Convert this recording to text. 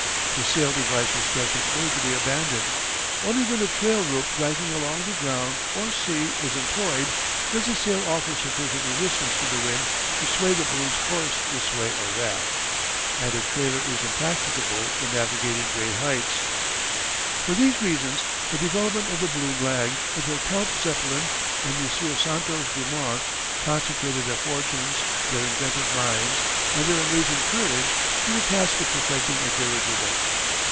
The sail device was tested only to be abandoned. Only when a trail rope dragging along the ground or sea is employed does the sail offer sufficient resistance to the wind to sway the balloon's course this way or that. And a trailer is impracticable when navigating great heights. [Illustration: Roberts Brothers' Dirigible.] For these reasons the development of the balloon lagged, until Count Zeppelin and M. Santos Dumont consecrated their fortunes, their inventive minds, and their amazing courage to the task of perfecting a dirigible.